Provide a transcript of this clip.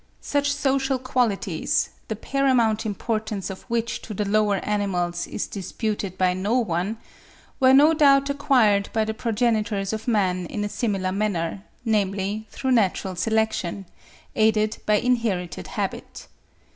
Such social qualities, the paramount importance of which to the lower animals is disputed by no one, were no doubt acquired by the progenitors of man in a similar manner, namely, through natural selection, aided by inherited habit.